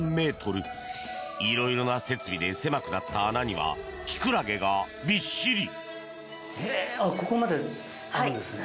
色々な設備で狭くなった穴にはキクラゲがびっしり。